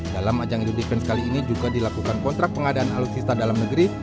dalam ajang indo defense kali ini juga dilakukan kontrak pengadaan alutsista dalam negeri